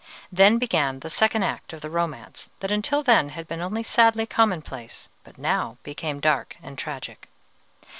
Then began the second act of the romance that until then had been only sadly commonplace, but now became dark and tragic.